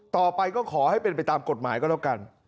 ต่อไปก็ขอให้เป็นไปตามกฎหมายก็แล้วกัน